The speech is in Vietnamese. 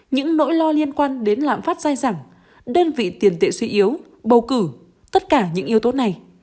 những nỗi lo liên quan đến lạm phát dai dẳng đơn vị tiền tệ suy yếu bầu cử tất cả những yếu tố này